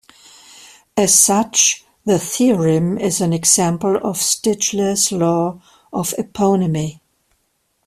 As such, the theorem is an example of Stigler's Law of Eponymy.